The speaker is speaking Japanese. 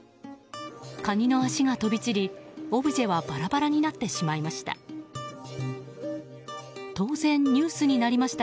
カニの足が飛び散り、オブジェはバラバラになってしまいました。